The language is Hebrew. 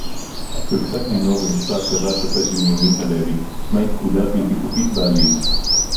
בפסק-דינו במשפט קבע השופט בנימין הלוי מהי פקודה בלתי חוקית בעליל